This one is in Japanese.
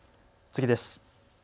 次です。